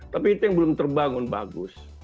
tapi itu yang belum terbangun bagus